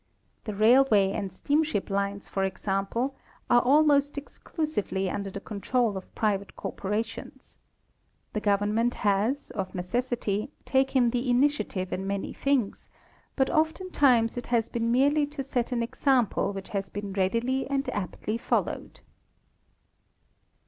The railway and steamship lines, for example, are almost exclusively under the control of private corporations. The government has, of necessity, taken the initiative in many things, but oftentimes it has been merely to set an example which has been readily and aptly followed.